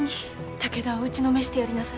武田を打ちのめしてやりなされ。